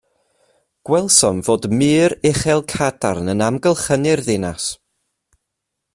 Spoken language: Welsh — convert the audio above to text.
Gwelsom fod mur uchel cadarn yn amgylchu'r ddinas.